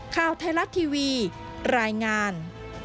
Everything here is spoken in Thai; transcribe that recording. ข่าวไทยรัฐทีวีรายงาน